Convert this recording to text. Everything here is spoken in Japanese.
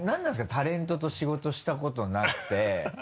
タレントと仕事したことなくて。